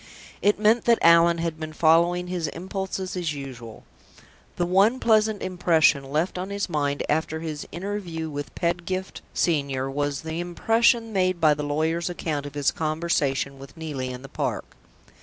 It meant that Allan had been following his impulses as usual. The one pleasant impression left on his mind after his interview with Pedgift Senior was the impression made by the lawyer's account of his conversation with Neelie in the park.